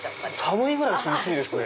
寒いぐらい涼しいですね。